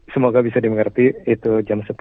semoga bisa dimengerti itu jam sepuluh